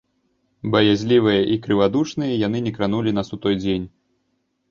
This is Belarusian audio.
Баязлівыя і крывадушныя яны не кранулі нас у той дзень.